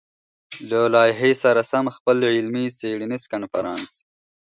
له لايحې سره سم خپل علمي-څېړنيز کنفرانس